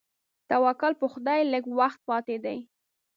توکل په خدای لږ وخت پاتې دی.